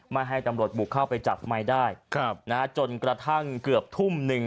ไม่ให้ตำรวจบุคเข้าจัดไมถ้าจนกระทั่งเกือบทุ่มหนึ่ง